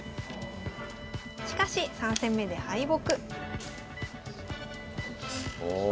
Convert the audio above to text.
しかし３戦目で敗北。